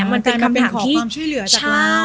มันเป็นคำเป็นขอความช่วยเหลือจากเรา